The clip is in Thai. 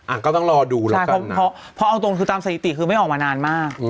อะก็ต้องรอดูแล้วกันนะพอเอาตรงคือตามสถิติคือไม่ออกมานานมาก